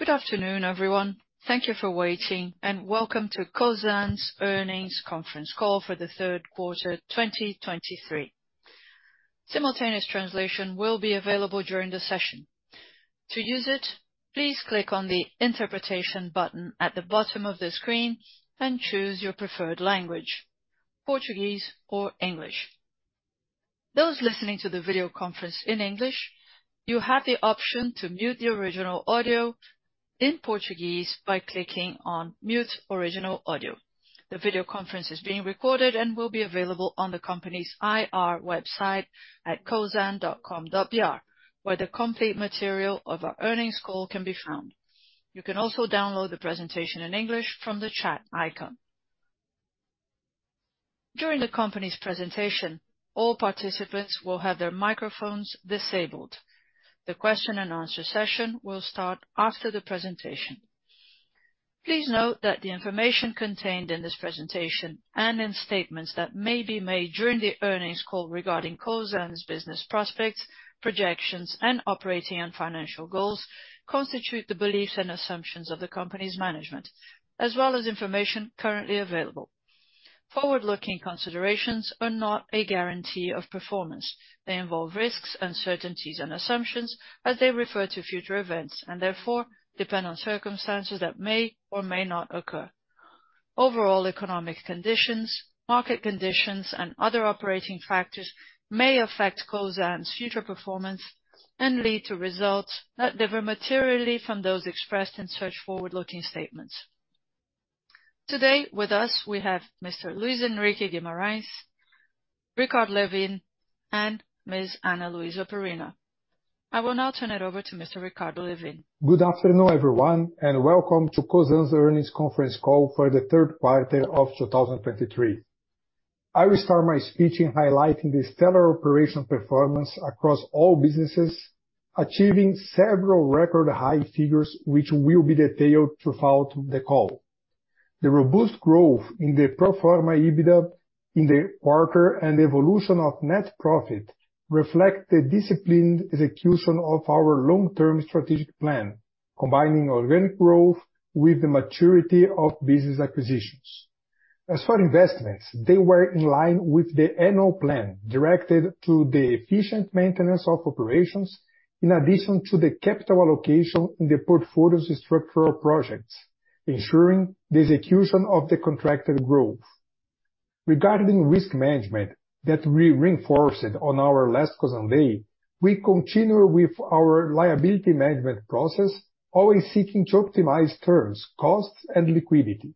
Good afternoon, everyone. Thank you for waiting, and welcome to Cosan's Earnings Conference Call for the third quarter, 2023. Simultaneous translation will be available during the session. To use it, please click on the interpretation button at the bottom of the screen and choose your preferred language, Portuguese or English. Those listening to the video conference in English, you have the option to mute the original audio in Portuguese by clicking on Mute Original Audio. The video conference is being recorded and will be available on the company's IR website at cosan.com.br, where the complete material of our earnings call can be found. You can also download the presentation in English from the chat icon. During the company's presentation, all participants will have their microphones disabled. The question and answer session will start after the presentation. Please note that the information contained in this presentation and in statements that may be made during the earnings call regarding Cosan's business prospects, projections, and operating and financial goals, constitute the beliefs and assumptions of the company's management, as well as information currently available. Forward-looking considerations are not a guarantee of performance. They involve risks, uncertainties, and assumptions as they refer to future events, and therefore depend on circumstances that may or may not occur. Overall economic conditions, market conditions, and other operating factors may affect Cosan's future performance and lead to results that differ materially from those expressed in such forward-looking statements. Today, with us, we have Mr. Luis Henrique Guimarães, Ricardo Lewin, and Ms. Ana Luísa Perina. I will now turn it over to Mr. Ricardo Lewin. Good afternoon, everyone, and welcome to Cosan's Earnings Conference Call for the third quarter of 2023. I will start my speech in highlighting the stellar operational performance across all businesses, achieving several record high figures, which will be detailed throughout the call. The robust growth in the pro forma EBITDA in the quarter and evolution of net profit reflect the disciplined execution of our long-term strategic plan, combining organic growth with the maturity of business acquisitions. As for investments, they were in line with the annual plan, directed to the efficient maintenance of operations, in addition to the capital allocation in the portfolio structural projects, ensuring the execution of the contracted growth. Regarding risk management that we reinforced on our last Cosan Day, we continue with our liability management process, always seeking to optimize terms, costs, and liquidity.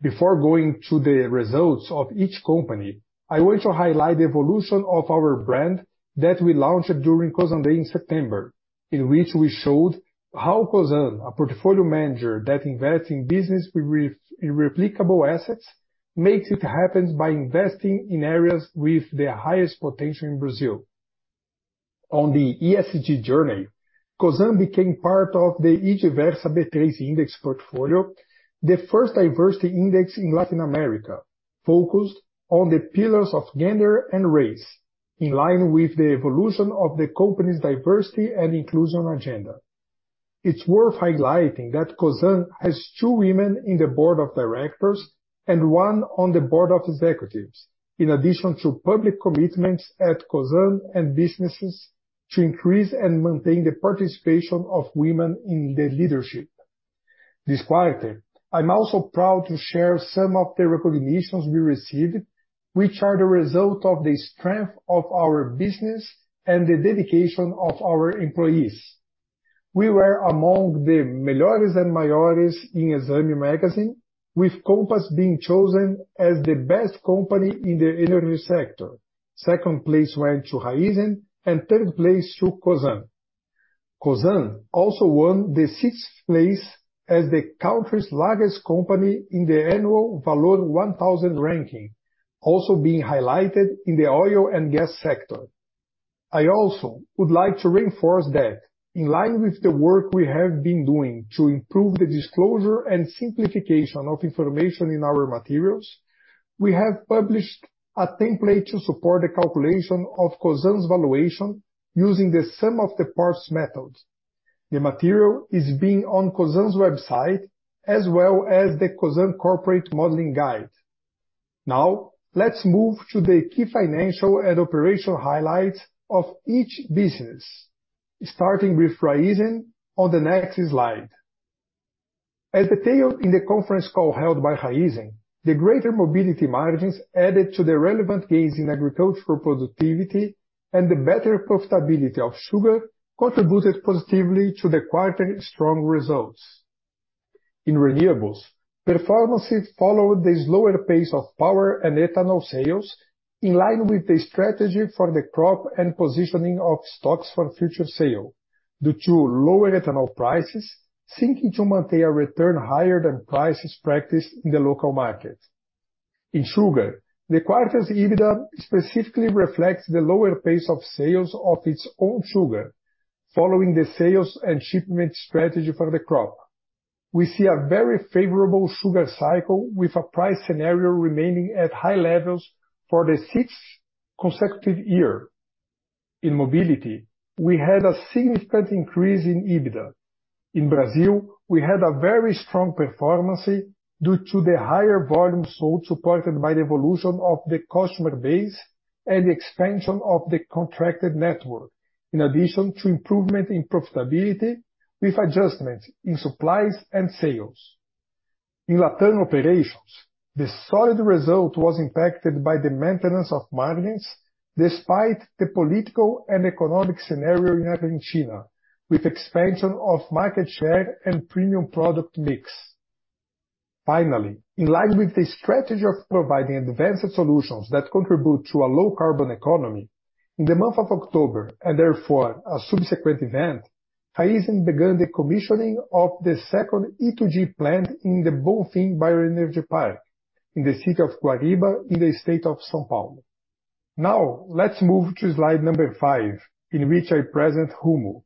Before going to the results of each company, I want to highlight the evolution of our brand that we launched during Cosan Day in September, in which we showed how Cosan, a portfolio manager that invests in business with irreplaceable assets, makes it happen by investing in areas with the highest potential in Brazil. On the ESG journey, Cosan became part of the Diversa B3 Index portfolio, the first diversity index in Latin America, focused on the pillars of gender and race, in line with the evolution of the company's diversity and inclusion agenda. It's worth highlighting that Cosan has two women in the Board of Directors and one on the Board of Executives, in addition to public commitments at Cosan and businesses to increase and maintain the participation of women in the leadership. This quarter, I'm also proud to share some of the recognitions we received, which are the result of the strength of our business and the dedication of our employees. We were among the Melhores & Maiores in Exame magazine, with Compass being chosen as the best company in the energy sector. Second place went to Raízen, and third place to Cosan. Cosan also won the sixth place as the country's largest company in the annual Valor 1000 ranking, also being highlighted in the oil and gas sector. I also would like to reinforce that in line with the work we have been doing to improve the disclosure and simplification of information in our materials, we have published a template to support the calculation of Cosan's valuation using the sum of the parts method. The material is being on Cosan's website, as well as the Cosan Corporate Modeling Guide. Now, let's move to the key financial and operational highlights of each business, starting with Raízen on the next slide. As detailed in the conference call held by Raízen, the greater mobility margins added to the relevant gains in agricultural productivity and the better profitability of sugar contributed positively to the quarter's strong results. In renewables, performances followed the slower pace of power and ethanol sales, in line with the strategy for the crop and positioning of stocks for future sale, due to lower ethanol prices, seeking to maintain a return higher than prices practiced in the local market. In sugar, the quarter's EBITDA specifically reflects the lower pace of sales of its own sugar, following the sales and shipment strategy for the crop. We see a very favorable sugar cycle with a price scenario remaining at high levels for the sixth consecutive year.... In mobility, we had a significant increase in EBITDA. In Brazil, we had a very strong performance due to the higher volume sold, supported by the evolution of the customer base and the expansion of the contracted network, in addition to improvement in profitability with adjustments in supplies and sales. In Latin operations, the solid result was impacted by the maintenance of margins, despite the political and economic scenario in Argentina, with expansion of market share and premium product mix. Finally, in line with the strategy of providing advanced solutions that contribute to a low carbon economy, in the month of October, and therefore, a subsequent event, Raízen began the commissioning of the second E2G plant in the Bonfim Bioenergy Park, in the city of Guariba, in the state of São Paulo. Now, let's move to slide number five, in which I present Rumo.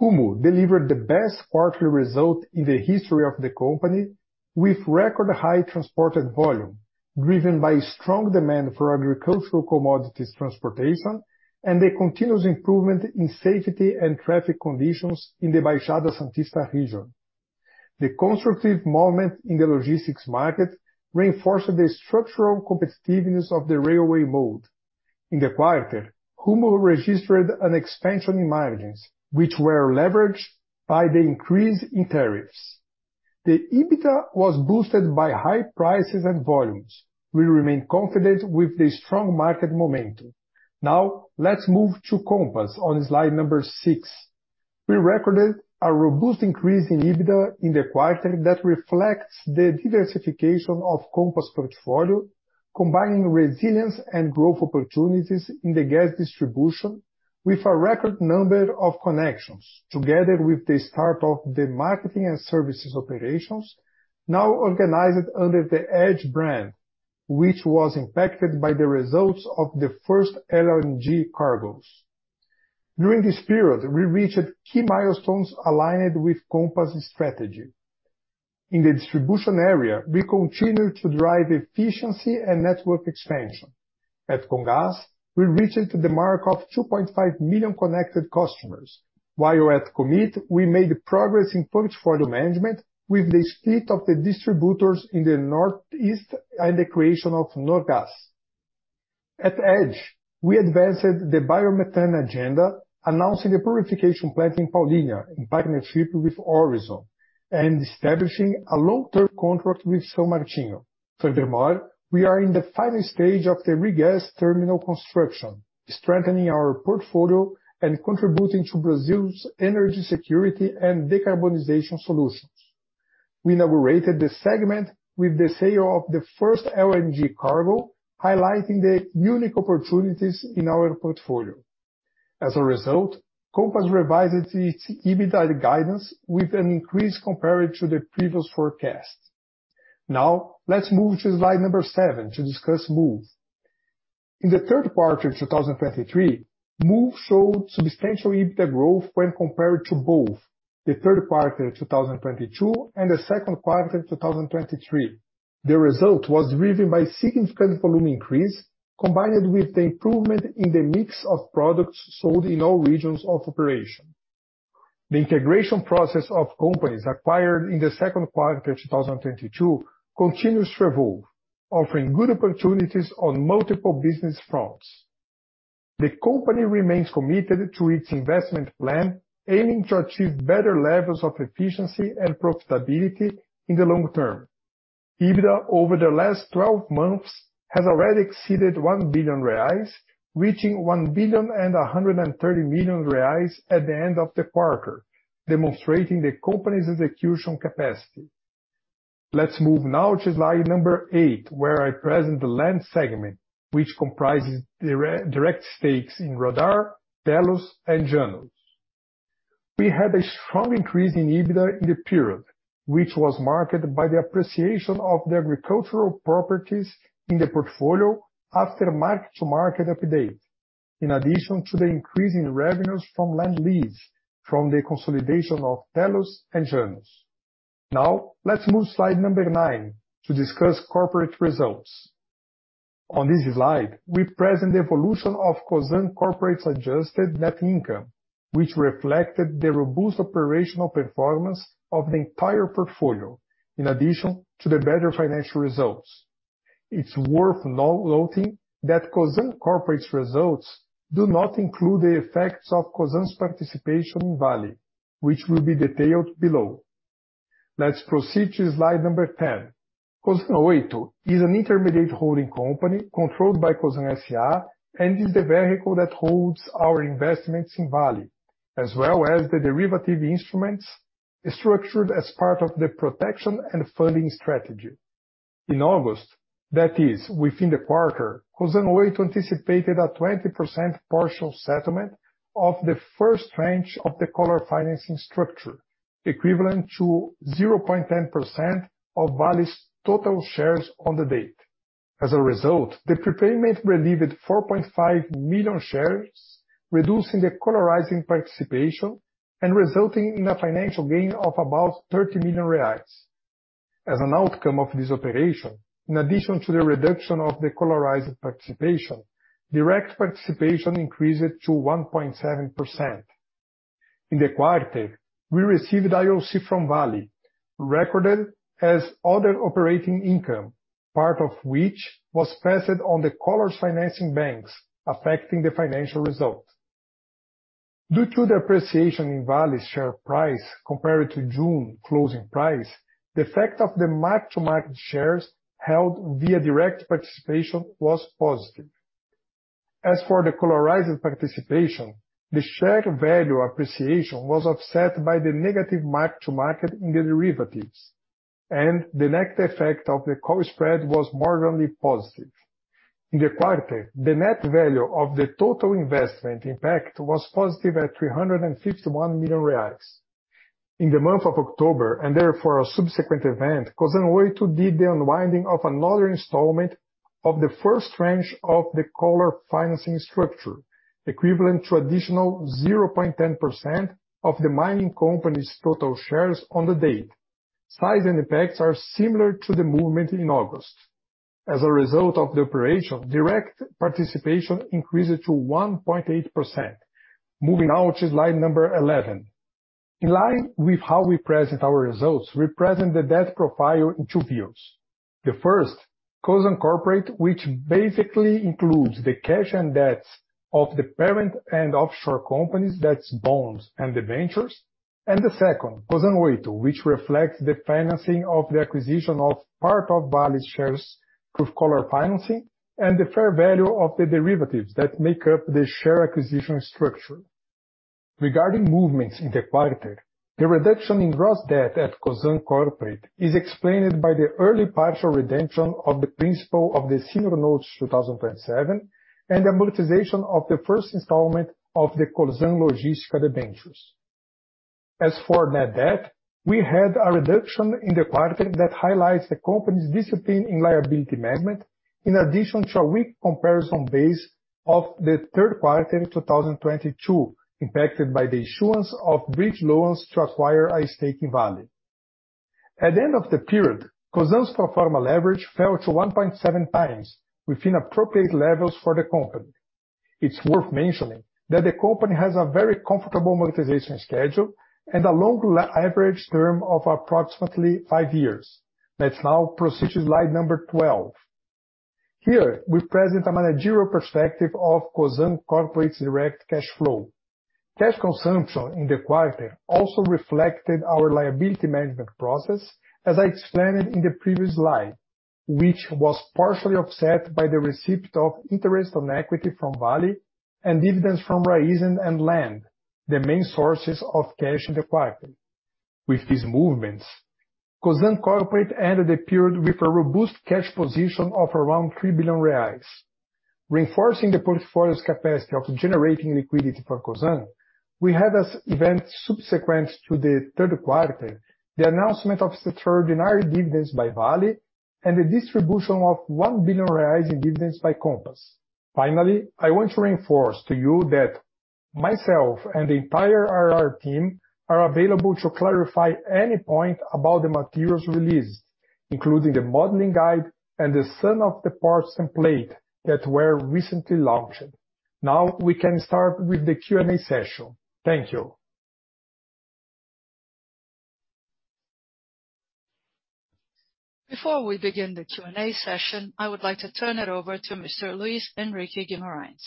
Rumo delivered the best quarterly result in the history of the company, with record high transported volume, driven by strong demand for agricultural commodities transportation, and the continuous improvement in safety and traffic conditions in the Baixada Santista region. The constructive movement in the logistics market reinforced the structural competitiveness of the railway mode. In the quarter, Rumo registered an expansion in margins, which were leveraged by the increase in tariffs. The EBITDA was boosted by high prices and volumes. We remain confident with the strong market momentum. Now, let's move to Compass on slide number six. We recorded a robust increase in EBITDA in the quarter that reflects the diversification of Compass' portfolio, combining resilience and growth opportunities in the gas distribution, with a record number of connections, together with the start of the marketing and services operations, now organized under the Edge brand, which was impacted by the results of the first LNG cargoes. During this period, we reached key milestones aligned with Compass' strategy. In the distribution area, we continued to drive efficiency and network expansion. At Comgás, we reached the mark of 2.5 million connected customers, while at Commit, we made progress in portfolio management with the split of the distributors in the Northeast and the creation of Norgás. At Edge, we advanced the biomethane agenda, announcing the purification plant in Paulínia, in partnership with Orizon, and establishing a long-term contract with São Martinho. Furthermore, we are in the final stage of the Regas terminal construction, strengthening our portfolio and contributing to Brazil's energy security and decarbonization solutions. We inaugurated the segment with the sale of the first LNG cargo, highlighting the unique opportunities in our portfolio. As a result, Compass revised its EBITDA guidance with an increase compared to the previous forecast. Now, let's move to slide number seven to discuss Moove. In the third quarter of 2023, Moove showed substantial EBITDA growth when compared to both the third quarter of 2022 and the second quarter of 2023. The result was driven by significant volume increase, combined with the improvement in the mix of products sold in all regions of operation. The integration process of companies acquired in the second quarter of 2022 continues to evolve, offering good opportunities on multiple business fronts. The company remains committed to its investment plan, aiming to achieve better levels of efficiency and profitability in the long term. EBITDA, over the last 12 months, has already exceeded 1 billion reais, reaching 1.13 billion at the end of the quarter, demonstrating the company's execution capacity. Let's move now to slide number eight, where I present the land segment, which comprises the direct stakes in Radar, Tellus, and Janus. We had a strong increase in EBITDA in the period, which was marked by the appreciation of the agricultural properties in the portfolio after mark-to-market update, in addition to the increase in revenues from land lease, from the consolidation of Tellus and Janus. Now, let's move to slide nine to discuss corporate results. On this slide, we present the evolution of Cosan corporate's adjusted net income, which reflected the robust operational performance of the entire portfolio, in addition to the better financial results. It's worth noting that Cosan corporate's results do not include the effects of Cosan's participation in Vale, which will be detailed below. Let's proceed to slide 10. Cosan Oito is an intermediate holding company, controlled by Cosan S.A., and is the vehicle that holds our investments in Vale, as well as the derivative instruments structured as part of the protection and funding strategy. In August, that is, within the quarter, Cosan Oito anticipated a 20% partial settlement of the first tranche of the collar financing structure, equivalent to 0.10% of Vale's total shares on the date. As a result, the prepayment relieved 4.5 million shares, reducing the collared participation and resulting in a financial gain of about 30 million reais. As an outcome of this operation, in addition to the reduction of the collared participation, direct participation increased to 1.7%. In the quarter, we received IOC from Vale, recorded as other operating income, part of which was passed on the collar's financing banks, affecting the financial result. Due to the appreciation in Vale's share price compared to June closing price, the effect of the mark-to-market shares held via direct participation was positive. As for the collared participation, the share value appreciation was offset by the negative mark-to-market in the derivatives, and the net effect of the call spread was marginally positive. In the quarter, the net value of the total investment impact was positive at 351 million reais. In the month of October, and therefore a subsequent event, Cosan, we did the unwinding of another installment of the first range of the collar financing structure, equivalent to additional 0.10% of the mining company's total shares on the date. Size and effects are similar to the movement in August. As a result of the operation, direct participation increased to 1.8%. Moving now to slide number 11. In line with how we present our results, we present the debt profile in two views. The first, Cosan Corporate, which basically includes the cash and debts of the parent and offshore companies, that's bonds and the ventures. And the second, Cosan Oito, which reflects the financing of the acquisition of part of Vale's shares through collar financing, and the fair value of the derivatives that make up the share acquisition structure. Regarding movements in the quarter, the reduction in gross debt at Cosan Corporate is explained by the early partial redemption of the principal of the senior notes 2027, and the amortization of the first installment of the Cosan Logística debentures. As for net debt, we had a reduction in the quarter that highlights the company's discipline in liability management, in addition to a weak comparison base of the third quarter in 2022, impacted by the issuance of bridge loans to acquire a stake in Vale. At the end of the period, Cosan's pro forma leverage fell to 1.7x within appropriate levels for the company. It's worth mentioning that the company has a very comfortable maturity schedule and a long average term of approximately five years. Let's now proceed to slide number 12. Here, we present a managerial perspective of Cosan Corporate's direct cash flow. Cash consumption in the quarter also reflected our liability management process, as I explained in the previous slide, which was partially offset by the receipt of interest on equity from Vale and dividends from Raízen and Land, the main sources of cash in the quarter. With these movements, Cosan Corporate ended the period with a robust cash position of around 3 billion reais. Reinforcing the portfolio's capacity of generating liquidity for Cosan, we had as event subsequent to the third quarter, the announcement of extraordinary dividends by Vale, and the distribution of 1 billion reais in dividends by Compass. Finally, I want to reinforce to you that myself and the entire IR team are available to clarify any point about the materials released, including the modeling guide and the sum of the parts template that were recently launched. Now, we can start with the Q&A session. Thank you. Before we begin the Q&A session, I would like to turn it over to Mr. Luis Henrique Guimarães.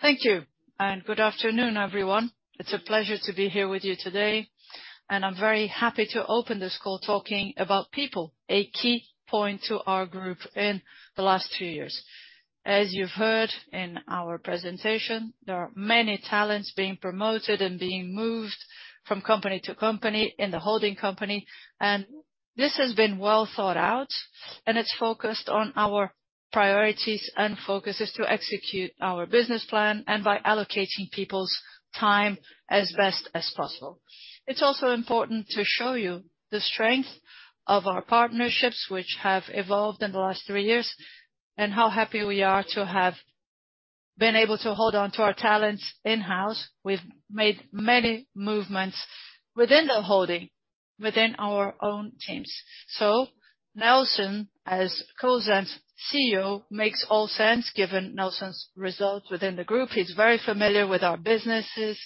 Thank you, and good afternoon, everyone. It's a pleasure to be here with you today, and I'm very happy to open this call talking about people, a key point to our group in the last two years. As you've heard in our presentation, there are many talents being promoted and being moved from company to company in the holding company, and this has been well thought out, and it's focused on our priorities and focuses to execute our business plan and by allocating people's time as best as possible. It's also important to show you the strength of our partnerships, which have evolved in the last three years, and how happy we are to have been able to hold on to our talents in-house. We've made many movements within the holding, within our own teams. So Nelson, as Cosan's CEO, makes all sense, given Nelson's results within the group. He's very familiar with our businesses.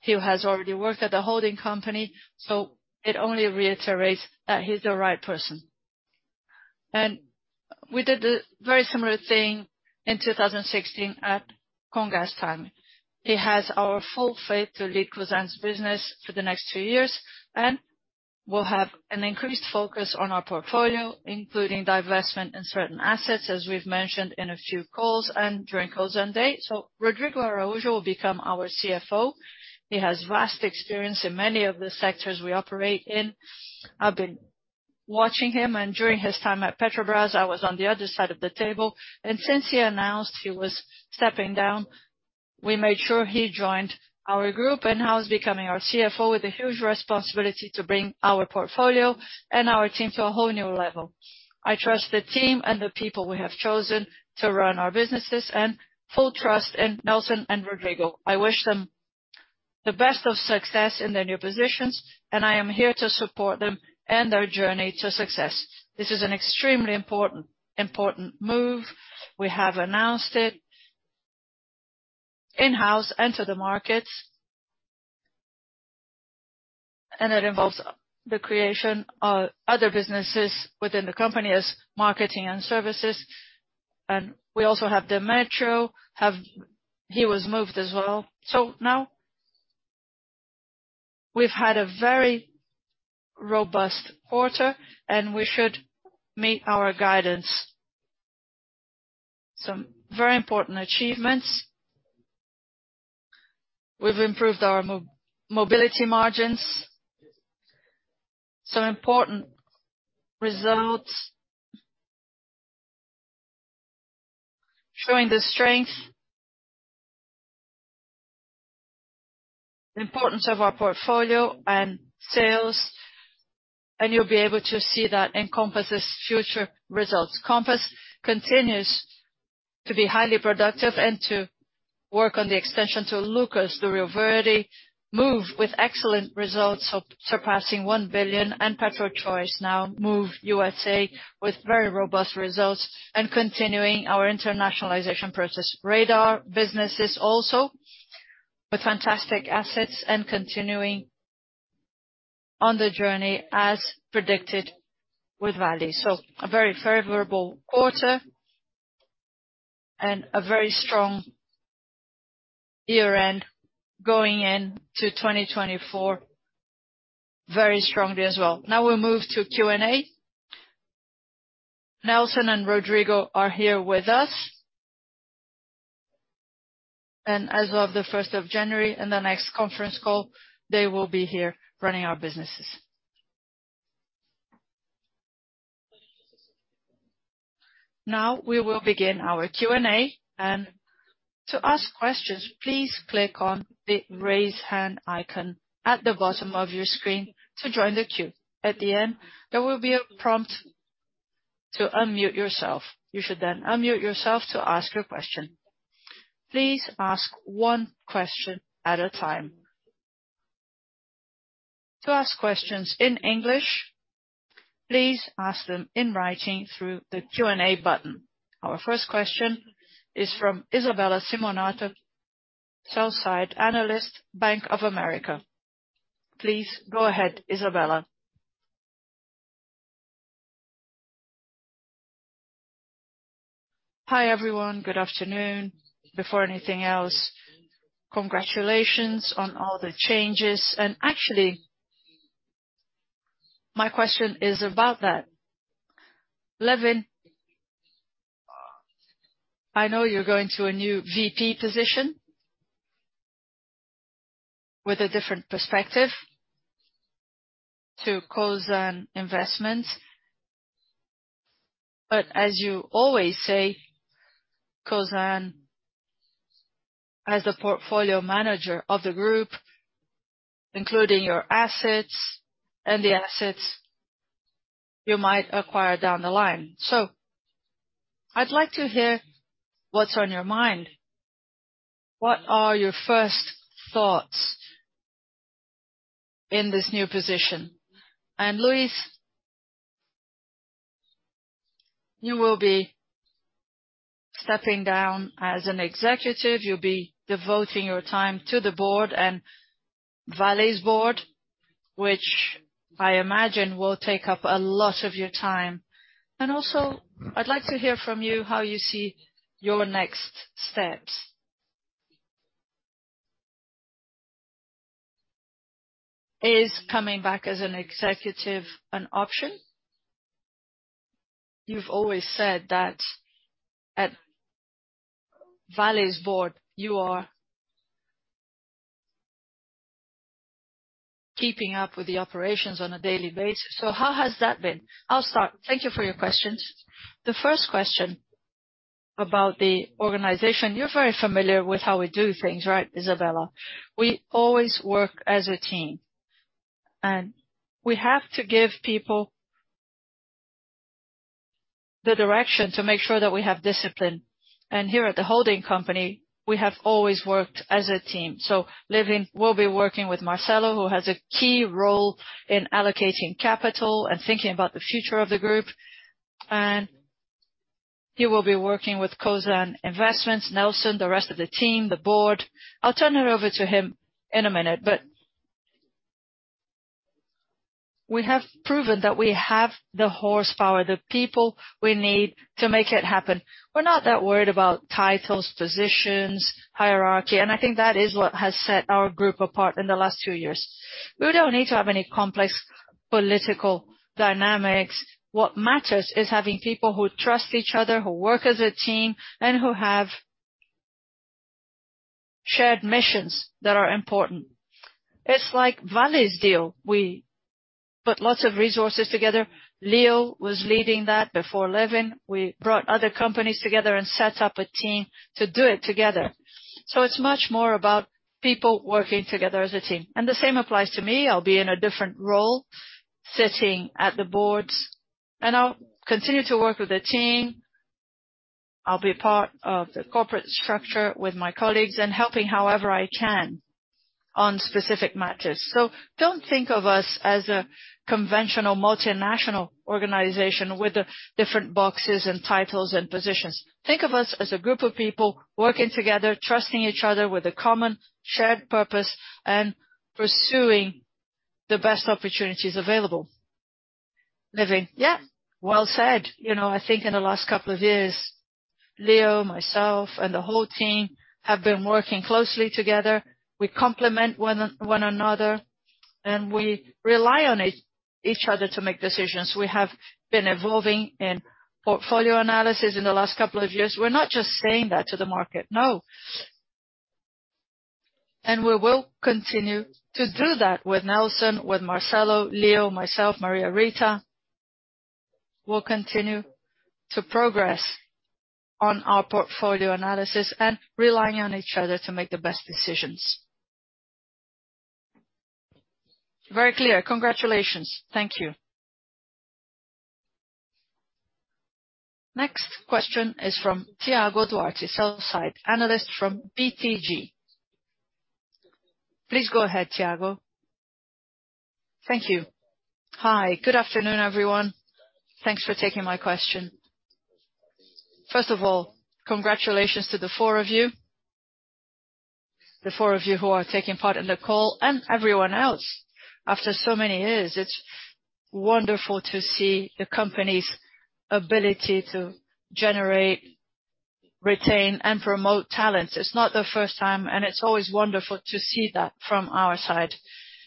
He has already worked at the holding company, so it only reiterates that he's the right person. We did a very similar thing in 2016 at Comgás time. He has our full faith to lead Cosan's business for the next two years, and we'll have an increased focus on our portfolio, including divestment in certain assets, as we've mentioned in a few calls and during Cosan Day. So Rodrigo Araujo will become our CFO. He has vast experience in many of the sectors we operate in. I've been watching him, and during his time at Petrobras, I was on the other side of the table, and since he announced he was stepping down, we made sure he joined our group, and now he's becoming our CFO with a huge responsibility to bring our portfolio and our team to a whole new level. I trust the team and the people we have chosen to run our businesses, and full trust in Nelson and Rodrigo. I wish them the best of success in their new positions, and I am here to support them and their journey to success. This is an extremely important, important move. We have announced it in-house and to the markets, and it involves the creation of other businesses within the company as marketing and services. And we also have Demetrio. He was moved as well. So now we've had a very robust quarter, and we should meet our guidance. Some very important achievements. We've improved our mobility margins. Some important results showing the strength, the importance of our portfolio and sales, and you'll be able to see that in Compass's future results. Compass continues to be highly productive and to work on the extension to Lucas, the Reverde move, with excellent results of surpassing 1 billion, and PetroChoice, now Moove USA, with very robust results and continuing our internationalization process. Radar businesses also with fantastic assets and continuing on the journey as predicted with Vale. So a very favorable quarter and a very strong year-end going into 2024. Very strongly as well. Now we'll move to Q&A. Nelson and Rodrigo are here with us. And as of the first of January, in the next conference call, they will be here running our businesses. Now we will begin our Q&A, and to ask questions, please click on the Raise Hand icon at the bottom of your screen to join the queue. At the end, there will be a prompt to unmute yourself. You should then unmute yourself to ask your question. Please ask one question at a time. To ask questions in English, please ask them in writing through the Q&A button. Our first question is from Isabella Simonato, sell-side analyst, Bank of America. Please go ahead, Isabella. Hi, everyone. Good afternoon. Before anything else, congratulations on all the changes, and actually, my question is about that. Lewin, I know you're going to a new VP position with a different perspective to Cosan Investments, but as you always say, Cosan, as a portfolio manager of the group, including your assets and the assets you might acquire down the line. So I'd like to hear what's on your mind. What are your first thoughts in this new position? And Luis, you will be stepping down as an executive. You'll be devoting your time to the board and Vale's board, which I imagine will take up a lot of your time. And also, I'd like to hear from you how you see your next steps. Is coming back as an executive an option? You've always said that at Vale's board, you are keeping up with the operations on a daily basis, so how has that been? I'll start. Thank you for your questions. The first question about the organization, you're very familiar with how we do things, right, Isabella? We always work as a team, and we have to give people the direction to make sure that we have discipline, and here at the holding company, we have always worked as a team. So Lewin will be working with Marcelo, who has a key role in allocating capital and thinking about the future of the group, and he will be working with Cosan Investments, Nelson, the rest of the team, the board. I'll turn it over to him in a minute, but we have proven that we have the horsepower, the people we need to make it happen. We're not that worried about titles, positions, hierarchy, and I think that is what has set our group apart in the last two years. We don't need to have any complex political dynamics. What matters is having people who trust each other, who work as a team, and who have shared missions that are important. It's like Vale's deal. We put lots of resources together. Leo was leading that before Lewin. We brought other companies together and set up a team to do it together. So it's much more about people working together as a team, and the same applies to me. I'll be in a different role, sitting at the boards, and I'll continue to work with the team.... I'll be part of the corporate structure with my colleagues and helping however I can on specific matters. So don't think of us as a conventional multinational organization with different boxes and titles and positions. Think of us as a group of people working together, trusting each other with a common shared purpose and pursuing the best opportunities available. Living? Yeah, well said. You know, I think in the last couple of years, Leo, myself, and the whole team have been working closely together. We complement one another, and we rely on each other to make decisions. We have been evolving in portfolio analysis in the last couple of years. We're not just saying that to the market, no. And we will continue to do that with Nelson, with Marcelo, Leo, myself, Maria Rita. We'll continue to progress on our portfolio analysis and relying on each other to make the best decisions. Very clear. Congratulations. Thank you. Next question is from Tiago Duarte, sell-side analyst from BTG. Please go ahead, Tiago. Thank you. Hi, good afternoon, everyone. Thanks for taking my question. First of all, congratulations to the four of you. The four of you who are taking part in the call and everyone else. After so many years, it's wonderful to see the company's ability to generate, retain, and promote talent. It's not the first time, and it's always wonderful to see that from our side.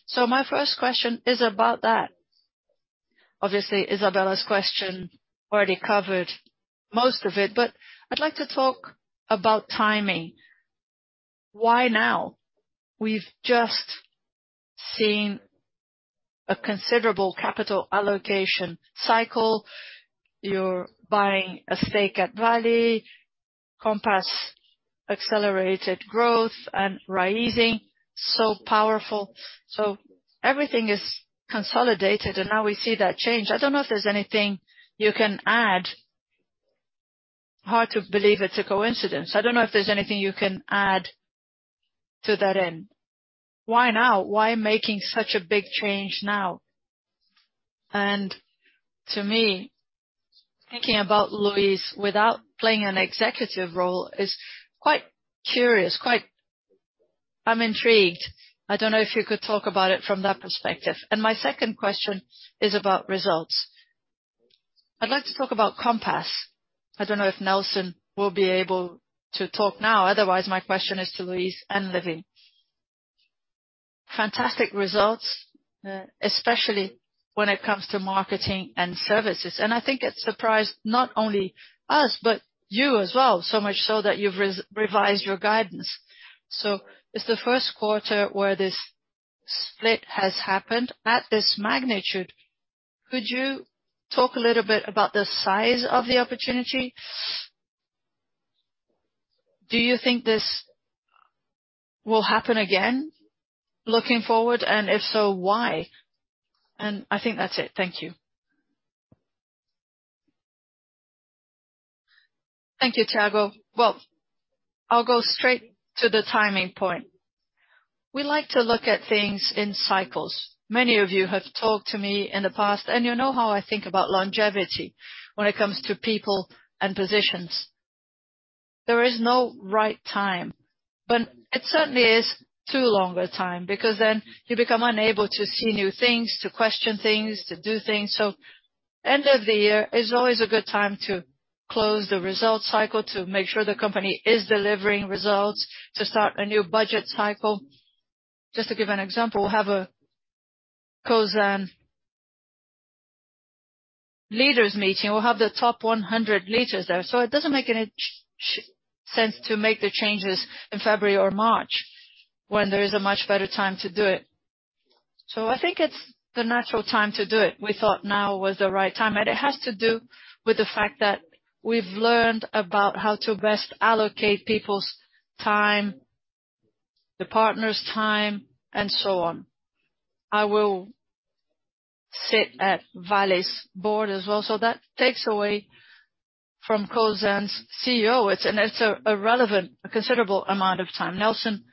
So my first question is about that. Obviously, Isabella's question already covered most of it, but I'd like to talk about timing. Why now? We've just seen a considerable capital allocation cycle. You're buying a stake at Vale, Compass accelerated growth and raising, so powerful. So everything is consolidated, and now we see that change. I don't know if there's anything you can add. Hard to believe it's a coincidence. I don't know if there's anything you can add to that end. Why now? Why making such a big change now? And to me, thinking about Luis without playing an executive role is quite curious, quite... I'm intrigued. I don't know if you could talk about it from that perspective. And my second question is about results. I'd like to talk about Compass. I don't know if Nelson will be able to talk now, otherwise, my question is to Luis and Livie. Fantastic results, especially when it comes to marketing and services. And I think it surprised not only us, but you as well, so much so that you've revised your guidance. So it's the first quarter where this split has happened at this magnitude. Could you talk a little bit about the size of the opportunity? Do you think this will happen again, looking forward, and if so, why? And I think that's it. Thank you. Thank you, Tiago. Well, I'll go straight to the timing point. We like to look at things in cycles. Many of you have talked to me in the past, and you know how I think about longevity when it comes to people and positions. There is no right time, but it certainly is too long a time, because then you become unable to see new things, to question things, to do things. So end of the year is always a good time to close the result cycle, to make sure the company is delivering results, to start a new budget cycle. Just to give an example, we'll have a Cosan leaders meeting. We'll have the top 100 leaders there, so it doesn't make any sense to make the changes in February or March, when there is a much better time to do it. So I think it's the natural time to do it. We thought now was the right time, and it has to do with the fact that we've learned about how to best allocate people's time, the partners' time, and so on. I will sit at Vale's board as well, so that takes away from Cosan's CEO. It's a relevant, a considerable amount of time. Nelson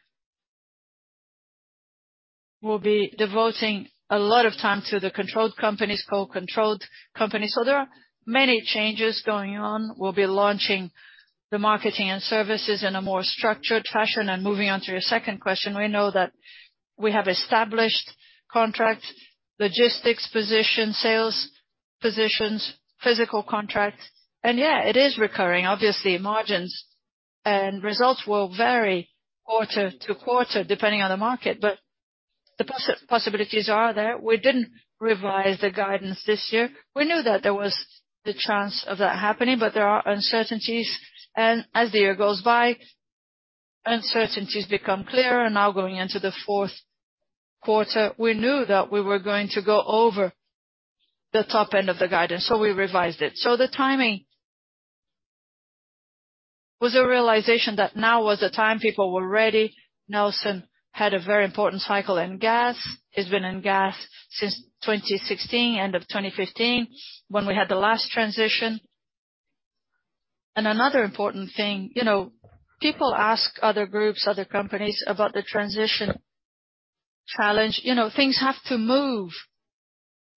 will be devoting a lot of time to the controlled companies, co-controlled companies, so there are many changes going on. We'll be launching the marketing and services in a more structured fashion. Moving on to your second question, we know that we have established contract, logistics, position, sales positions, physical contracts, and yeah, it is recurring. Obviously, margins and results will vary quarter to quarter, depending on the market, but the possibilities are there. We didn't revise the guidance this year. We knew that there was the chance of that happening, but there are uncertainties, and as the year goes by, uncertainties become clearer. Now, going into the fourth quarter, we knew that we were going to go over the top end of the guidance, so we revised it. So the timing was a realization that now was the time, people were ready. Nelson had a very important cycle in gas. He's been in gas since 2016, end of 2015, when we had the last transition. And another important thing, you know, people ask other groups, other companies, about the transition challenge. You know, things have to move,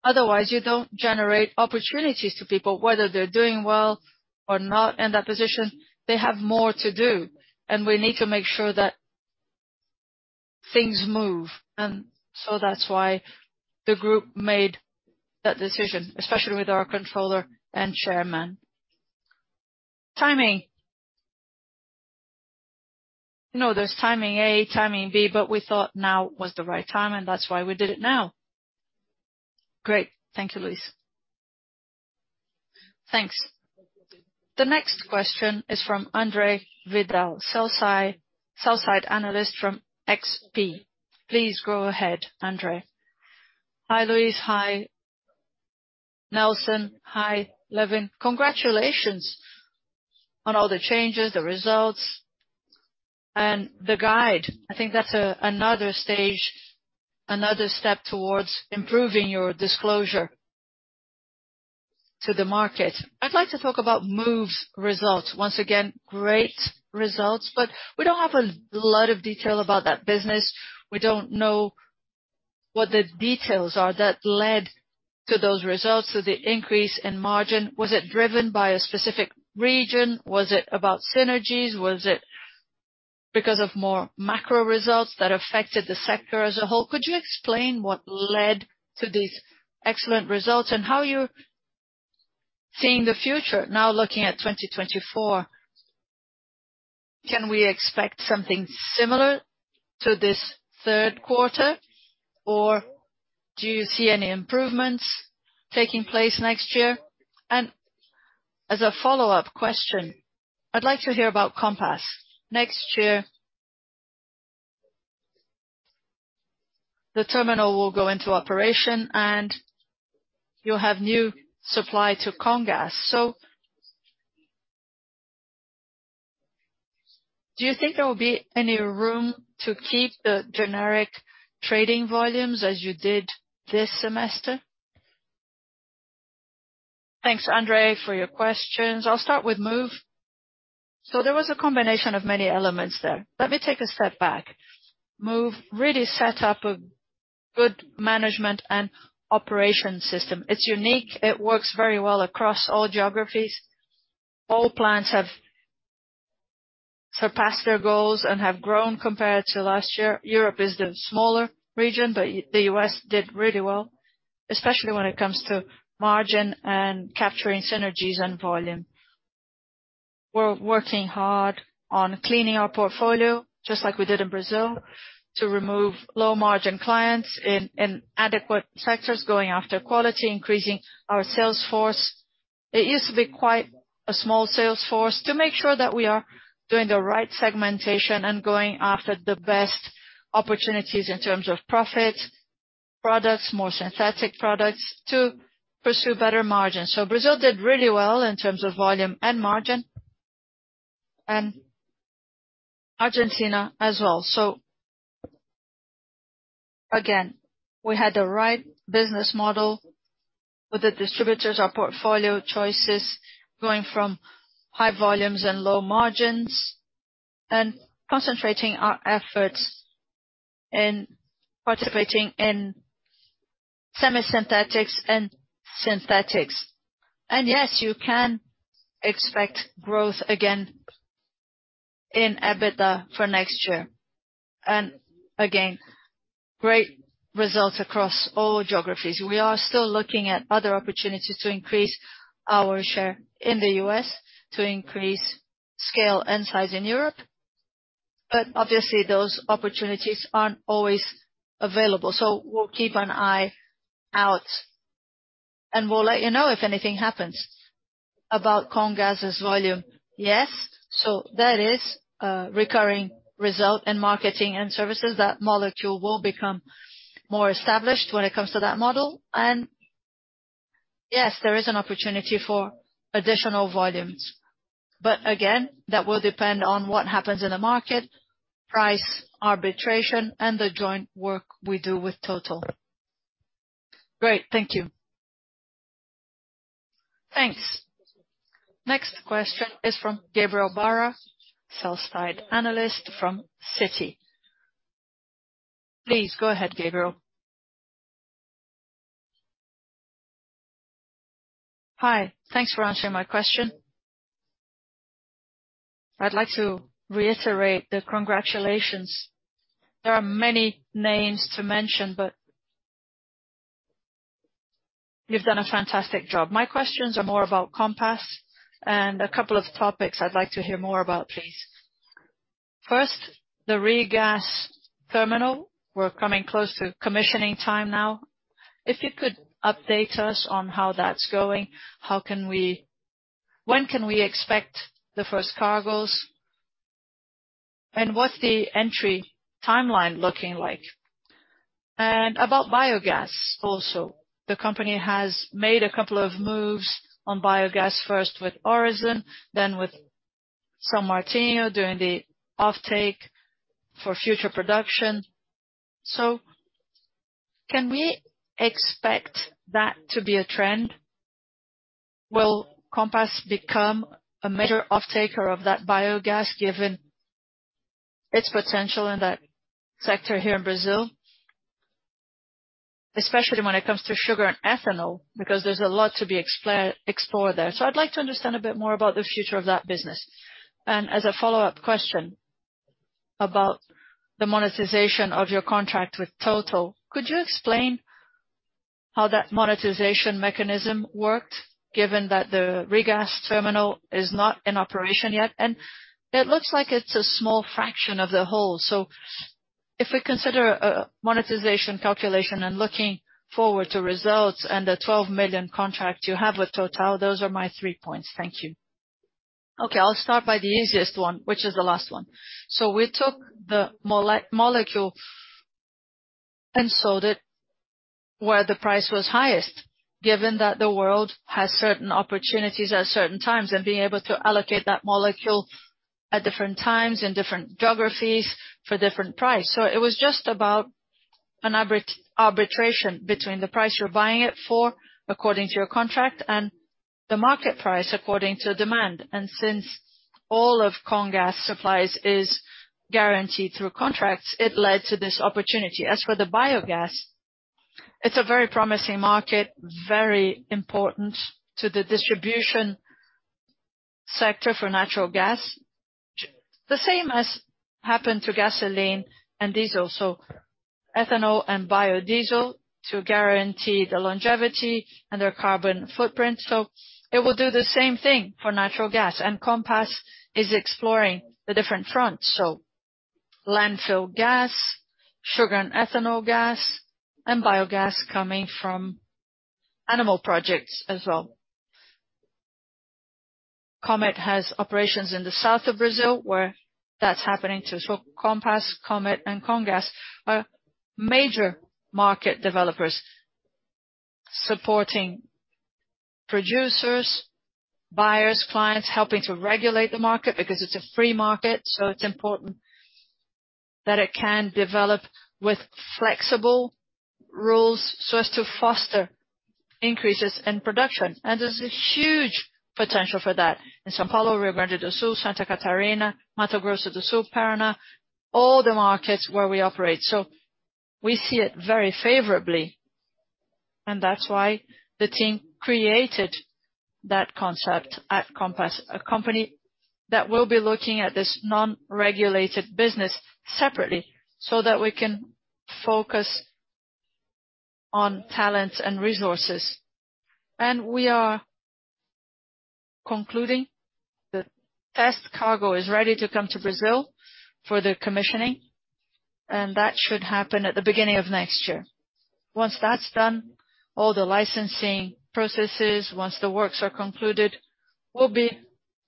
otherwise you don't generate opportunities to people, whether they're doing well or not in that position, they have more to do, and we need to make sure that things move. And so that's why the group made that decision, especially with our controller and chairman. Timing. You know, there's timing A, timing B, but we thought now was the right time, and that's why we did it now. Great. Thank you, Luis. Thanks. The next question is from Andre Vidal, sell-side analyst from XP. Please go ahead, Andre. Hi, Luis. Hi, Nelson. Hi, Lewin. Congratulations on all the changes, the results, and the guide. I think that's another stage, another step towards improving your disclosure to the market. I'd like to talk about Moove's results. Once again, great results, but we don't have a lot of detail about that business. We don't know what the details are that led to those results. So the increase in margin, was it driven by a specific region? Was it about synergies? Was it because of more macro results that affected the sector as a whole? Could you explain what led to these excellent results and how you're seeing the future now looking at 2024? Can we expect something similar to this third quarter, or do you see any improvements taking place next year? And as a follow-up question, I'd like to hear about Compass. Next year, the terminal will go into operation, and you'll have new supply to Comgás. So do you think there will be any room to keep the generic trading volumes as you did this semester? Thanks, Andre, for your questions. I'll start with Moove. So there was a combination of many elements there. Let me take a step back. Moove really set up a good management and operation system. It's unique. It works very well across all geographies. All plants have surpassed their goals and have grown compared to last year. Europe is the smaller region, but the US did really well, especially when it comes to margin and capturing synergies and volume. We're working hard on cleaning our portfolio, just like we did in Brazil, to remove low-margin clients in adequate sectors, going after quality, increasing our sales force. It used to be quite a small sales force to make sure that we are doing the right segmentation and going after the best opportunities in terms of profit, products, more synthetic products, to pursue better margins. So Brazil did really well in terms of volume and margin, and Argentina as well. So again, we had the right business model with the distributors, our portfolio choices, going from high volumes and low margins, and concentrating our efforts in participating in semi-synthetics and synthetics. Yes, you can expect growth again in EBITDA for next year. Again, great results across all geographies. We are still looking at other opportunities to increase our share in the U.S., to increase scale and size in Europe, but obviously, those opportunities aren't always available, so we'll keep an eye out, and we'll let you know if anything happens. About Comgás' volume. Yes, so that is a recurring result in marketing and services. That molecule will become more established when it comes to that model. Yes, there is an opportunity for additional volumes, but again, that will depend on what happens in the market, price, arbitrage, and the joint work we do with Total. Great. Thank you. Thanks. Next question is from Gabriel Barra, sell-side analyst from Citi. Please go ahead, Gabriel. Hi. Thanks for answering my question. I'd like to reiterate the congratulations. There are many names to mention, but you've done a fantastic job. My questions are more about Compass and a couple of topics I'd like to hear more about, please. First, the regas terminal. We're coming close to commissioning time now. If you could update us on how that's going, how can we-- when can we expect the first cargos?... And what's the entry timeline looking like? And about biogas also, the company has made a couple of moves on biogas, first with Orizon, then with São Martinho, doing the offtake for future production. So can we expect that to be a trend? Will Compass become a major offtaker of that biogas, given its potential in that sector here in Brazil? Especially when it comes to sugar and ethanol, because there's a lot to be explored there. So I'd like to understand a bit more about the future of that business. And as a follow-up question, about the monetization of your contract with Total, could you explain how that monetization mechanism worked, given that the regas terminal is not in operation yet, and it looks like it's a small fraction of the whole. So if we consider a monetization calculation and looking forward to results and the $12 million contract you have with Total, those are my three points. Thank you. Okay, I'll start by the easiest one, which is the last one. So we took the molecule and sold it where the price was highest, given that the world has certain opportunities at certain times, and being able to allocate that molecule at different times, in different geographies, for different price. So it was just about an arbitration between the price you're buying it for, according to your contract, and the market price, according to demand. And since all of Comgás supplies is guaranteed through contracts, it led to this opportunity. As for the biogas, it's a very promising market, very important to the distribution sector for natural gas. The same has happened to gasoline and diesel, so ethanol and biodiesel, to guarantee the longevity and their carbon footprint, so it will do the same thing for natural gas. And Compass is exploring the different fronts, so landfill gas, sugar and ethanol gas, and biogas coming from animal projects as well. Commit has operations in the south of Brazil, where that's happening too. So Compass, Commit, and Comgás are major market developers, supporting producers, buyers, clients, helping to regulate the market, because it's a free market, so it's important that it can develop with flexible rules so as to foster increases in production. And there's a huge potential for that in São Paulo, Rio Grande do Sul, Santa Catarina, Mato Grosso do Sul, Paraná, all the markets where we operate. So we see it very favorably, and that's why the team created that concept at Compass, a company that will be looking at this non-regulated business separately, so that we can focus on talents and resources. And we are concluding. The test cargo is ready to come to Brazil for the commissioning, and that should happen at the beginning of next year. Once that's done, all the licensing processes, once the works are concluded, we'll be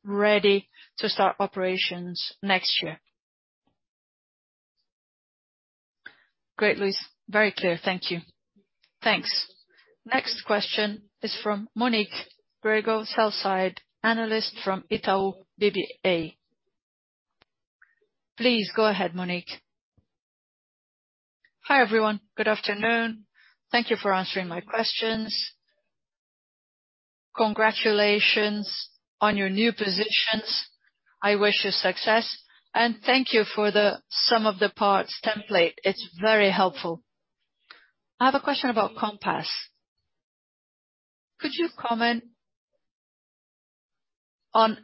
ready to start operations next year. Great, Luiz. Very clear. Thank you. Thanks. Next question is from Monique Grego, Sell-Side Analyst from Itaú BBA. Please go ahead, Monique. Hi, everyone. Good afternoon. Thank you for answering my questions. Congratulations on your new positions. I wish you success, and thank you for the sum of the parts template. It's very helpful. I have a question about Compass. Could you comment on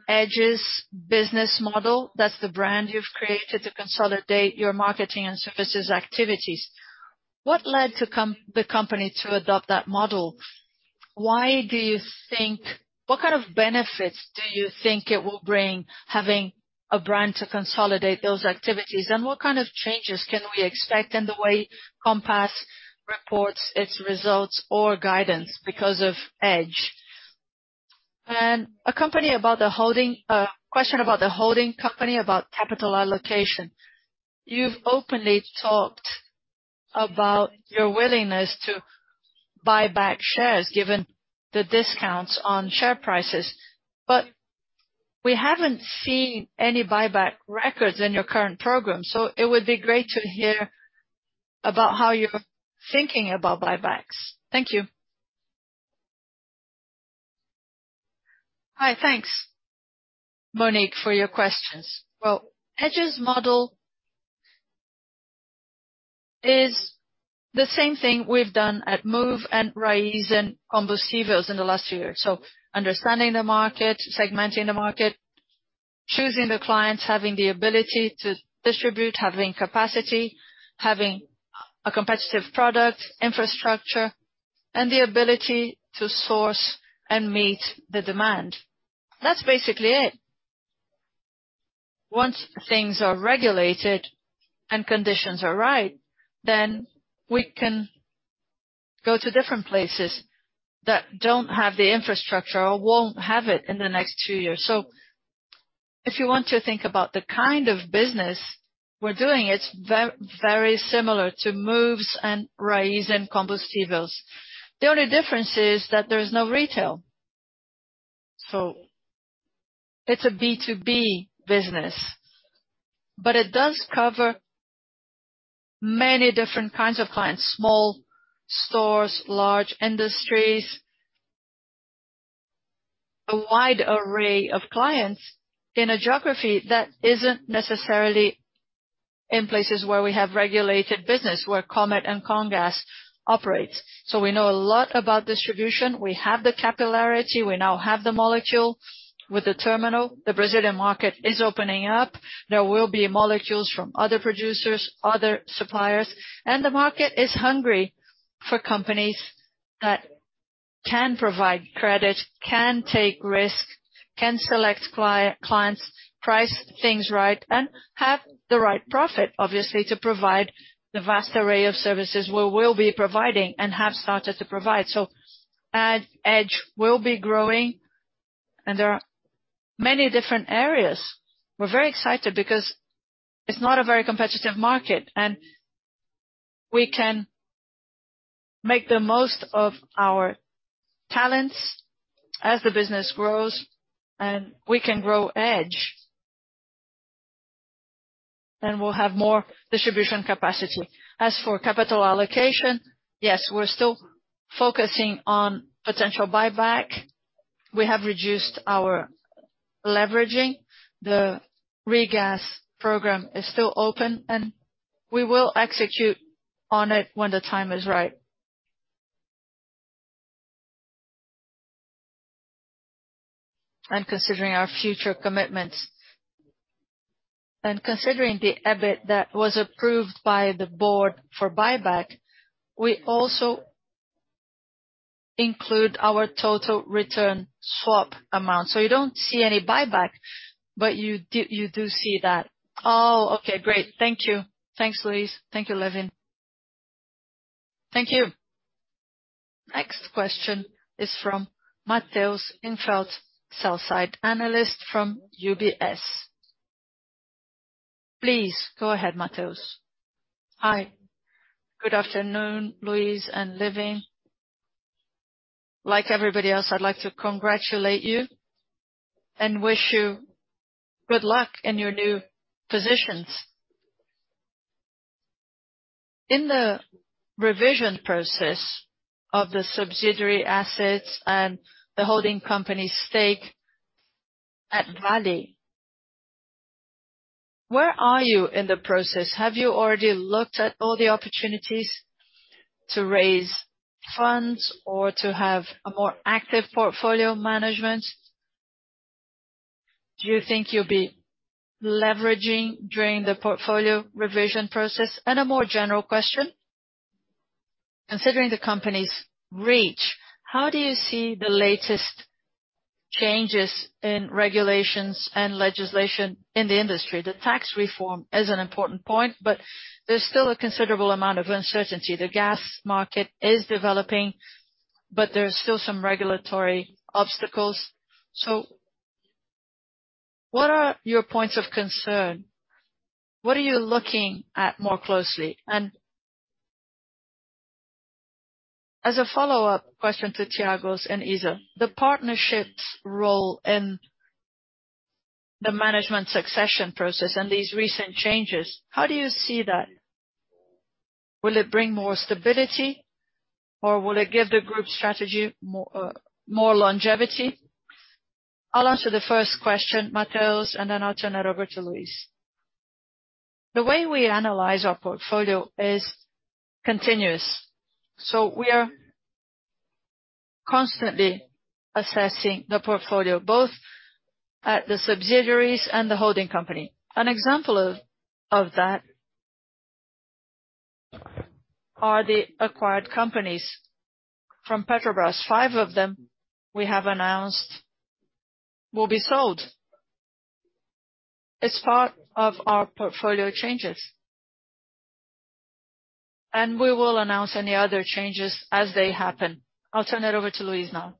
Edge's business model? That's the brand you've created to consolidate your marketing and services activities. What led to the company to adopt that model? Why do you think—what kind of benefits do you think it will bring, having a brand to consolidate those activities, and what kind of changes can we expect in the way Compass reports its results or guidance because of Edge? And a company about the holding, question about the holding company, about capital allocation. You've openly talked about your willingness to buy back shares, given the discounts on share prices, but we haven't seen any buyback records in your current program, so it would be great to hear about how you're thinking about buybacks. Thank you. Hi. Thanks, Monique, for your questions. Well, Edge's model is the same thing we've done at Moove and Raízen Combustíveis in the last year. So understanding the market, segmenting the market, choosing the clients, having the ability to distribute, having capacity, having a competitive product, infrastructure, and the ability to source and meet the demand. That's basically it. Once things are regulated and conditions are right, then we can go to different places that don't have the infrastructure or won't have it in the next two years. So if you want to think about the kind of business we're doing, it's very similar to Moove and Raízen and Compass. The only difference is that there is no retail. So it's a B2B business, but it does cover many different kinds of clients, small stores, large industries. A wide array of clients in a geography that isn't necessarily in places where we have regulated business, where Comet and Comgás operates. So we know a lot about distribution. We have the capillarity, we now have the molecule with the terminal. The Brazilian market is opening up. There will be molecules from other producers, other suppliers, and the market is hungry for companies that can provide credit, can take risk, can select clients, price things right, and have the right profit, obviously, to provide the vast array of services we will be providing and have started to provide. So, Edge will be growing, and there are many different areas. We're very excited because it's not a very competitive market, and we can make the most of our talents as the business grows, and we can grow Edge, then we'll have more distribution capacity. As for capital allocation, yes, we're still focusing on potential buyback. We have reduced our leveraging. The regas program is still open, and we will execute on it when the time is right. And considering our future commitments, and considering the EBIT that was approved by the board for buyback, we also include our total return swap amount. So you don't see any buyback, but you do, you do see that. Oh, okay, great. Thank you. Thanks, Luis. Thank you, Lewin. Thank you. Next question is from Matheus Enfeldt, sell-side analyst from UBS. Please, go ahead, Mateus. Hi. Good afternoon, Luis and Lewin. Like everybody else, I'd like to congratulate you and wish you good luck in your new positions. In the revision process of the subsidiary assets and the holding company's stake at Vale, where are you in the process? Have you already looked at all the opportunities to raise funds or to have a more active portfolio management? Do you think you'll be leveraging during the portfolio revision process? And a more general question: considering the company's reach, how do you see the latest changes in regulations and legislation in the industry? The tax reform is an important point, but there's still a considerable amount of uncertainty. The gas market is developing, but there are still some regulatory obstacles. So what are your points of concern? What are you looking at more closely? As a follow-up question to Tiago and Iza, the partnership's role in the management succession process and these recent changes, how do you see that? Will it bring more stability, or will it give the group strategy more, more longevity? I'll answer the first question, Mateus, and then I'll turn it over to Luis. The way we analyze our portfolio is continuous. So we are constantly assessing the portfolio, both at the subsidiaries and the holding company. An example of, of that are the acquired companies from Petrobras. Five of them, we have announced, will be sold as part of our portfolio changes. And we will announce any other changes as they happen. I'll turn it over to Luis now.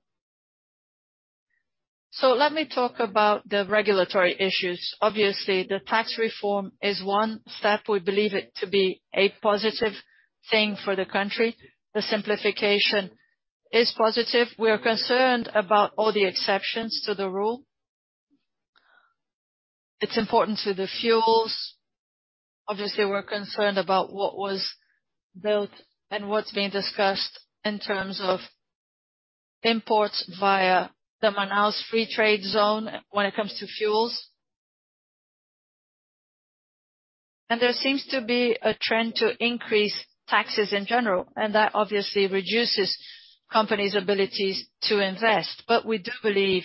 So let me talk about the regulatory issues. Obviously, the tax reform is one step. We believe it to be a positive thing for the country. The simplification is positive. We are concerned about all the exceptions to the rule. It's important to the fuels. Obviously, we're concerned about what was built and what's being discussed in terms of imports via the Manaus Free Trade Zone when it comes to fuels. And there seems to be a trend to increase taxes in general, and that obviously reduces companies' abilities to invest. But we do believe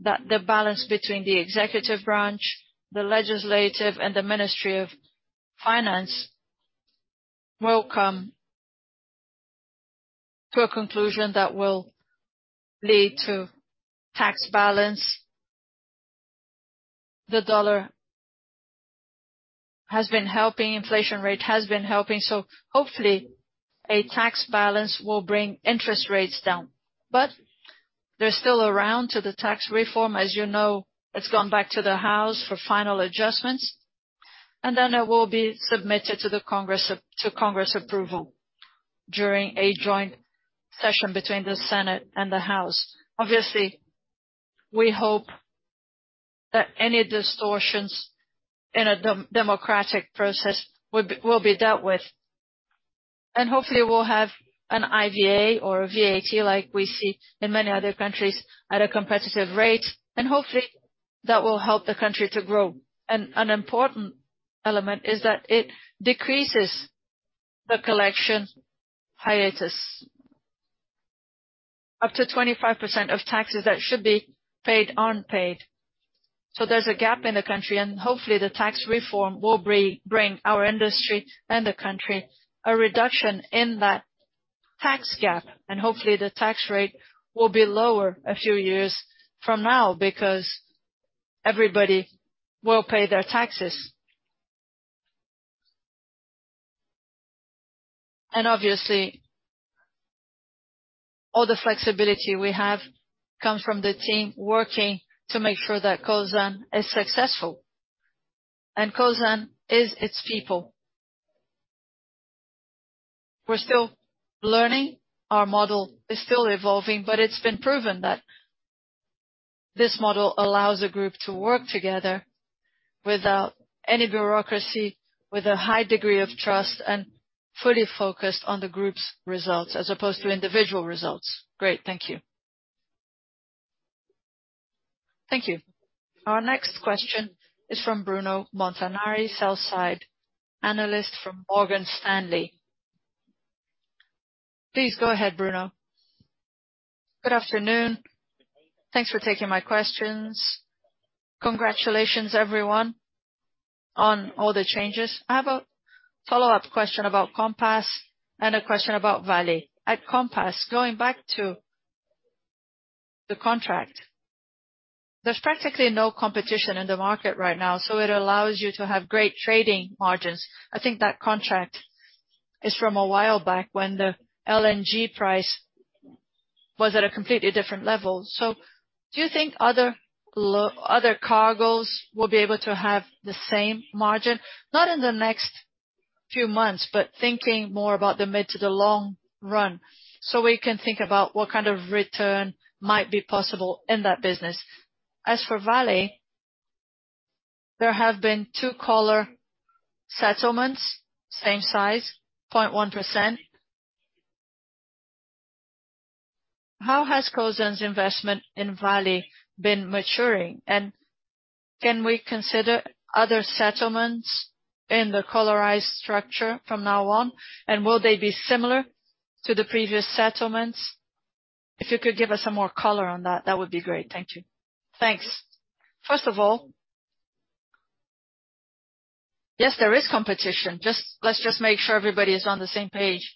that the balance between the executive branch, the legislative, and the Ministry of Finance will come to a conclusion that will lead to tax balance... the dollar has been helping, inflation rate has been helping. So hopefully, a tax balance will bring interest rates down. But there's still a round to the tax reform. As you know, it's gone back to the House for final adjustments, and then it will be submitted to Congress approval during a joint session between the Senate and the House. Obviously, we hope that any distortions in a democratic process will be dealt with, and hopefully we'll have an IVA or a VAT like we see in many other countries at a competitive rate, and hopefully that will help the country to grow. And an important element is that it decreases the collection hiatus. Up to 25% of taxes that should be paid aren't paid, so there's a gap in the country, and hopefully, the tax reform will bring our industry and the country a reduction in that tax gap. And hopefully, the tax rate will be lower a few years from now because everybody will pay their taxes. Obviously, all the flexibility we have comes from the team working to make sure that Cosan is successful, and Cosan is its people. We're still learning. Our model is still evolving, but it's been proven that this model allows a group to work together without any bureaucracy, with a high degree of trust, and fully focused on the group's results as opposed to individual results. Great. Thank you. Thank you. Our next question is from Bruno Montanari, Sell-Side Analyst from Morgan Stanley. Please go ahead, Bruno. Good afternoon. Thanks for taking my questions. Congratulations, everyone, on all the changes. I have a follow-up question about Compass and a question about Vale. At Compass, going back to the contract, there's practically no competition in the market right now, so it allows you to have great trading margins. I think that contract is from a while back when the LNG price was at a completely different level. So do you think other cargoes will be able to have the same margin? Not in the next few months, but thinking more about the mid to the long run, so we can think about what kind of return might be possible in that business. As for Vale, there have been two collar settlements, same size, 0.1%. How has Cosan's investment in Vale been maturing, and can we consider other settlements in the collared structure from now on, and will they be similar to the previous settlements? If you could give us some more color on that, that would be great. Thank you. Thanks. First of all, yes, there is competition. Let's just make sure everybody is on the same page.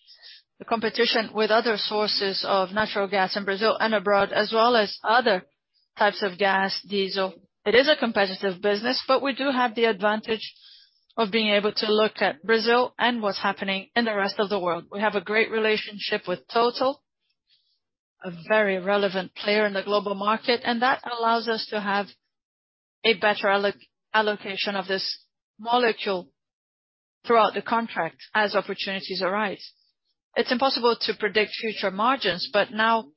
The competition with other sources of natural gas in Brazil and abroad, as well as other types of gas, diesel, it is a competitive business, but we do have the advantage of being able to look at Brazil and what's happening in the rest of the world. We have a great relationship with Total, a very relevant player in the global market, and that allows us to have a better allocation of this molecule throughout the contract as opportunities arise. It's impossible to predict future margins, but now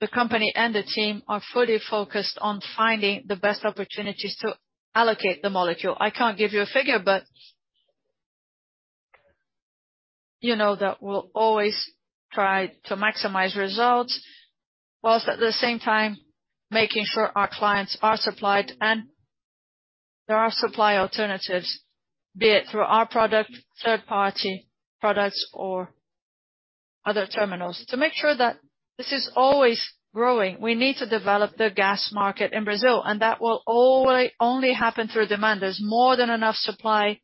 the company and the team are fully focused on finding the best opportunities to allocate the molecule. I can't give you a figure, but you know that we'll always try to maximize results while at the same time making sure our clients are supplied and there are supply alternatives, be it through our product, third-party products, or other terminals. To make sure that this is always growing, we need to develop the gas market in Brazil, and that will only, only happen through demand. There's more than enough supply,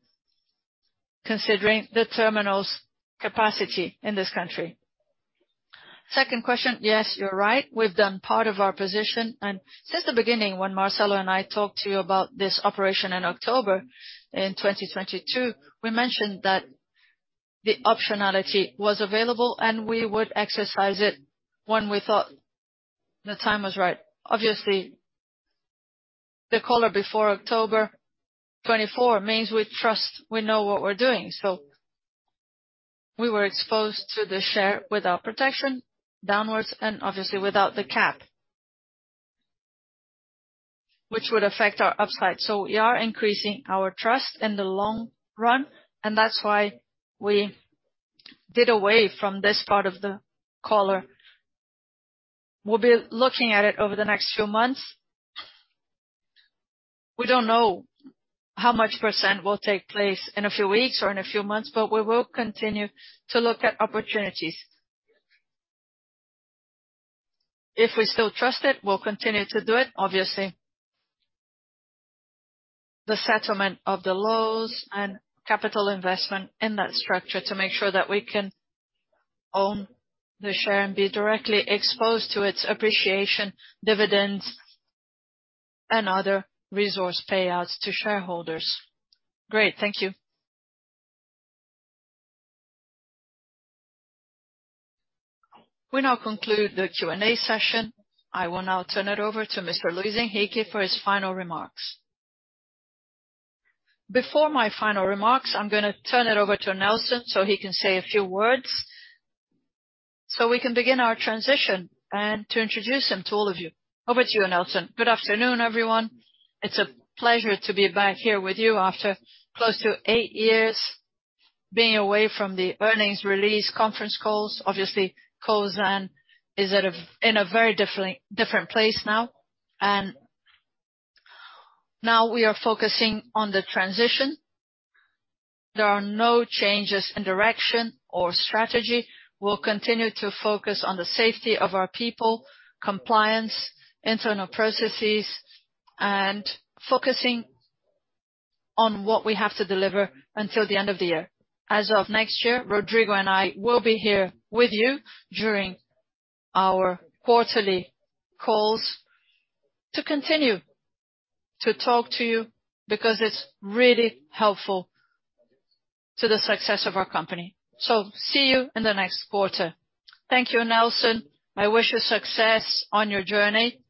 considering the terminal's capacity in this country. Second question, yes, you're right. We've done part of our position, and since the beginning, when Marcelo and I talked to you about this operation in October 2022, we mentioned that the optionality was available, and we would exercise it when we thought the time was right. Obviously, the collar before October 2024 means we trust we know what we're doing, so we were exposed to the share without protection downwards and obviously without the cap, which would affect our upside. So we are increasing our trust in the long run, and that's why we did away from this part of the collar. We'll be looking at it over the next few months. We don't know how much % will take place in a few weeks or in a few months, but we will continue to look at opportunities. If we still trust it, we'll continue to do it, obviously. The settlement of the loans and capital investment in that structure to make sure that we can own the share and be directly exposed to its appreciation, dividends, and other resource payouts to shareholders. Great, thank you. We now conclude the Q&A session. I will now turn it over to Mr. Luis Henrique for his final remarks. Before my final remarks, I'm gonna turn it over to Nelson, so he can say a few words, so we can begin our transition and to introduce him to all of you. Over to you, Nelson. Good afternoon, everyone. It's a pleasure to be back here with you after close to eight years being away from the earnings release conference calls. Obviously, Cosan is in a very different place now. And now we are focusing on the transition. There are no changes in direction or strategy. We'll continue to focus on the safety of our people, compliance, internal processes, and focusing on what we have to deliver until the end of the year. As of next year, Rodrigo and I will be here with you during our quarterly calls, to continue to talk to you, because it's really helpful to the success of our company. So see you in the next quarter. Thank you, Nelson. I wish you success on your journey,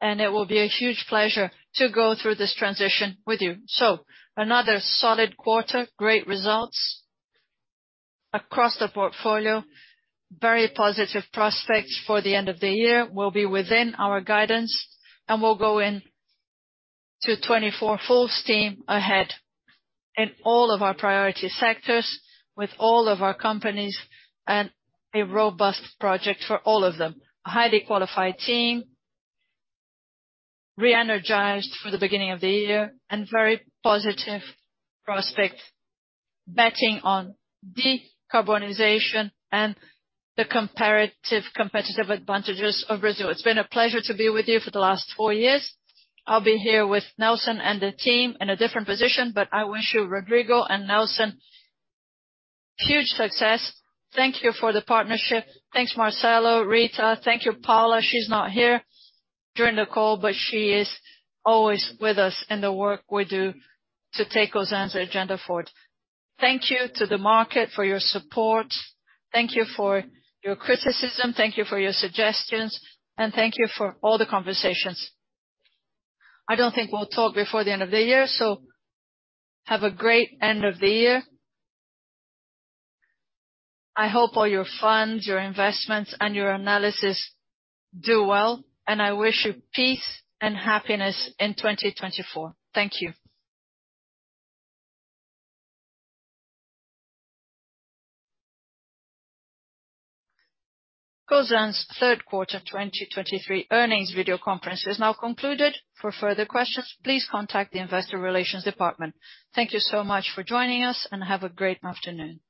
and it will be a huge pleasure to go through this transition with you. So another solid quarter, great results across the portfolio, very positive prospects for the end of the year will be within our guidance. And we'll go into 2024 full steam ahead in all of our priority sectors, with all of our companies, and a robust project for all of them. A highly qualified team, re-energized for the beginning of the year, and very positive prospect, betting on decarbonization and the comparative competitive advantages of Brazil. It's been a pleasure to be with you for the last four years. I'll be here with Nelson and the team in a different position, but I wish you, Rodrigo and Nelson, huge success. Thank you for the partnership. Thanks, Marcelo, Rita. Thank you, Paula. She's not here during the call, but she is always with us in the work we do to take Cosan's agenda forward. Thank you to the market for your support. Thank you for your criticism, thank you for your suggestions, and thank you for all the conversations. I don't think we'll talk before the end of the year, so have a great end of the year. I hope all your funds, your investments, and your analysis do well, and I wish you peace and happiness in 2024. Thank you. Cosan's third quarter 2023 earnings video conference is now concluded. For further questions, please contact the investor relations department. Thank you so much for joining us, and have a great afternoon.